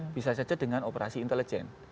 bisa saja dengan operasi intelijen